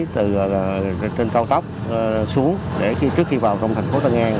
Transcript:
từ trên cao tốc xuống để trước khi vào trong thành phố tân an